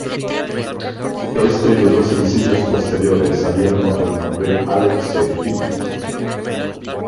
Éste y los dos sencillos posteriores salieron bajo el nombre "Alex C. feat.